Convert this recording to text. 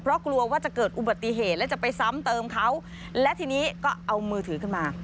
เพราะกลัวว่าจะเกิดอุบัติเหตุและจะไปซ้ำเติมเขาและทีนี้ก็เอามือถือขึ้นมา